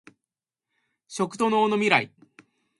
食と農のミライ